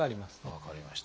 分かりました。